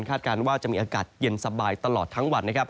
คาดการณ์ว่าจะมีอากาศเย็นสบายตลอดทั้งวัน